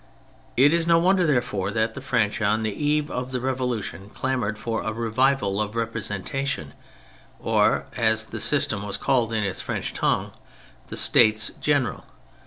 It is no wonder, therefore, that the French, on the eve of the Revolution, clamoured for a revival of representation, or, as the system was called in the French tongue, "the States General."